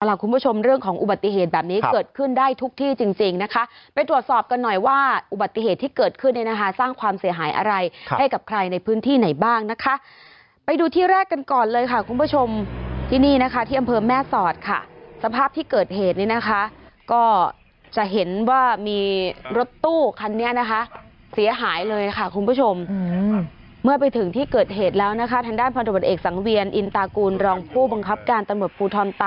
เอาล่ะคุณผู้ชมเรื่องของอุบัติเหตุแบบนี้เกิดขึ้นได้ทุกที่จริงนะคะไปตรวจสอบกันหน่อยว่าอุบัติเหตุที่เกิดขึ้นเลยนะคะสร้างความเสียหายอะไรให้กับใครในพื้นที่ไหนบ้างนะคะไปดูที่แรกกันก่อนเลยค่ะคุณผู้ชมที่นี่นะคะที่อำเภอแม่สอดค่ะสภาพที่เกิดเหตุนี้นะคะก็จะเห็นว่ามีรถตู้คันนี้นะคะเสียหายเลยค่ะคุณผู้ช